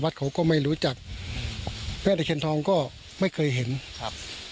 เขาก็ไม่รู้จักแม่ตะเคียนทองก็ไม่เคยเห็นครับ